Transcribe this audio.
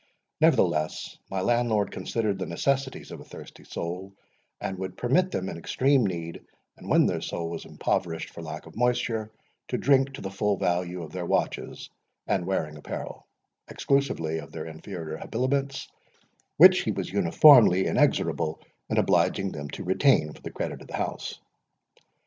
Nevertheless, my Landlord considered the necessities of a thirsty soul, and would permit them, in extreme need, and when their soul was impoverished for lack of moisture, to drink to the full value of their watches and wearing apparel, exclusively of their inferior habiliments, which he was uniformly inexorable in obliging them to retain, for the credit of the house.